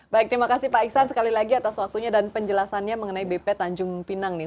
baik terima kasih pak iksan sekali lagi atas waktunya dan penjelasannya mengenai bp tanjung pinang nih